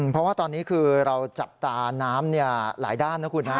เพราะว่าตอนนี้คือเราจับตาน้ำหลายด้านนะคุณฮะ